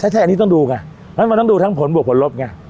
ใช่ใช่อันนี้ต้องดูไงมันต้องดูทั้งผลบวกผลลบไง